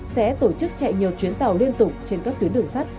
sẽ tổ chức chạy nhiều chuyến tàu liên tục trên các tuyến đường sắt